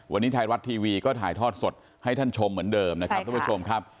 วันนี้ไทยรัฐทีวีก็ถ่ายทอดสดให้ท่านชมเหมือนเดิมนะครับทุกผู้ชมครับ